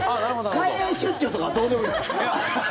海外出張とかはどうでもいいですよ。